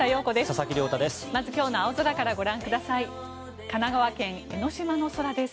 佐々木亮太です。